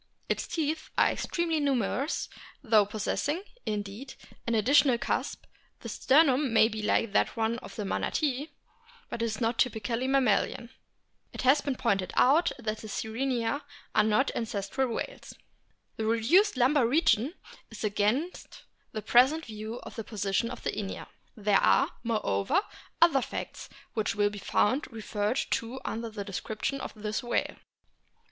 Its teeth are extremely numerous, though possessing, indeed, an additional cusp ; the sternum may be like that of the Manatee, but is not typically mammalian (it has been pointed out that the Sirenia are not ancestral whales) ; the reduced lumbar region is against the present view of the position of Inia. There are, moreover, other facts which will be found referred to under the description of this whale.